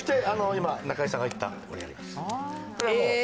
今中居さんが言ったこれやります